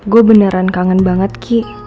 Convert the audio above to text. gue beneran kangen banget ki